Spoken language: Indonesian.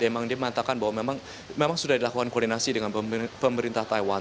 memang dia mengatakan bahwa memang sudah dilakukan koordinasi dengan pemerintah taiwan